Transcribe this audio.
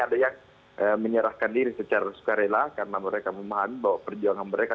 ada yang menyerahkan diri secara sukarela karena mereka memahami bahwa perjuangan mereka